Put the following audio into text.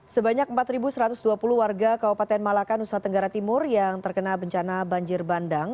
sebanyak empat satu ratus dua puluh warga kabupaten malaka nusa tenggara timur yang terkena bencana banjir bandang